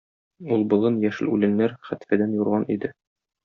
Ул болын, яшел үләннәр хәтфәдән юрган иде.